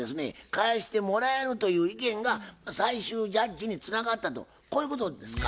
返してもらえるという意見が最終ジャッジにつながったとこういうことですか。